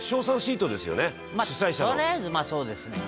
「とりあえずまあそうですね」